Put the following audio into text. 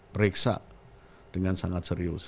periksa dengan sangat serius